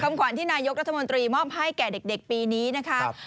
ขวัญที่นายกรัฐมนตรีมอบให้แก่เด็กปีนี้นะครับ